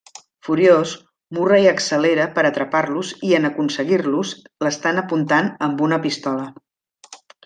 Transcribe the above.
Furiós, Murray accelera per atrapar-los i, en aconseguir-los, l'estan apuntant amb una pistola.